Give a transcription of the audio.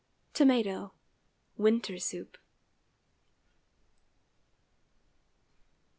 TOMATO (_Winter soup.